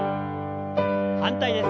反対です。